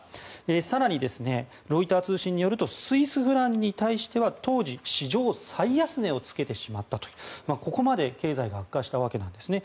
更に、ロイター通信によるとスイスフランに対しては当時、史上最安値をつけてしまったというここまで経済が悪化したわけですね。